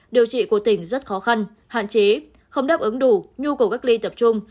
điều trị của tỉnh rất khó khăn hạn chế không đáp ứng đủ nhu cầu cách ly tập trung